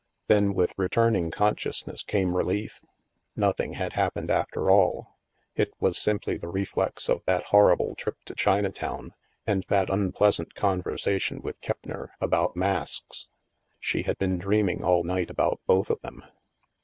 Then, with returning consciousness, came relief. Nothing had happened, after all. It was simply the reflex of that horrible trip to Chinatown and that unpleas ant conversation with Keppner, about masks. She had been dreaming all night about both of them.